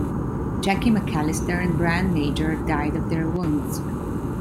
Jackie McAllister and Brian Major died of their wounds.